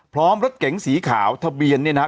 พร้อมรถเก๋งสีขาวทะเบียนเนี่ยนะฮะ